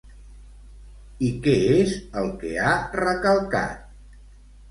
I què és el que ha recalcat?